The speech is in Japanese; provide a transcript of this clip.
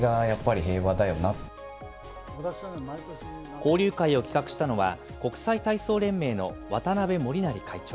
交流会を企画したのは、国際体操連盟の渡辺守成会長。